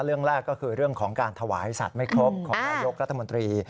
เรื่องแรกก็คือเรื่องของการถวายสัตว์ไม่ครบของนายกรัฐมนตรี